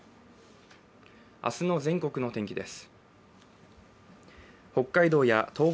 明日の全国の天気です。